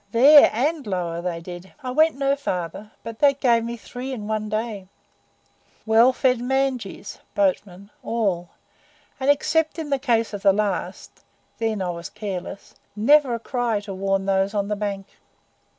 "There and lower down they did. I went no farther, but that gave me three in one day well fed manjis (boatmen) all, and, except in the case of the last (then I was careless), never a cry to warn those on the bank."